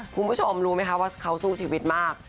คุณผู้ชมรู้ไหมคะว่าเขาสู้ชีวิตมาก